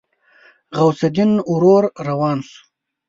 غوث الدين ورو روان شو.